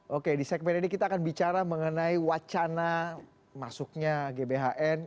oke di segmen ini kita akan bicara mengenai wacana masuknya gbhn